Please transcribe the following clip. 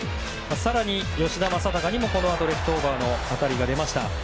更に、吉田正尚にもこのあとレフトオーバーの当たりが出ました。